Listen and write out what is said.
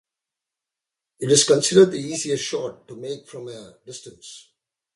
It is considered the easiest shot to make from a distance.